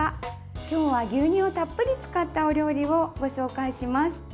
今日は牛乳をたっぷり使ったお料理をご紹介します。